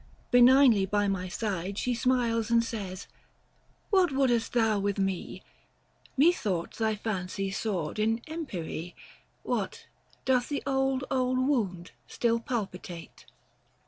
Benignly by my side She smiles and says, " What wouldest thou with me ? Methought thy fancy soared in empyrie ; What, doth the old, old wound, still palpitate